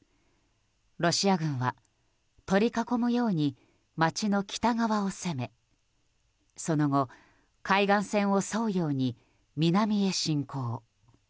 ロシア軍は取り囲むように街の北側を攻めその後、海岸線を沿うように南へ侵攻。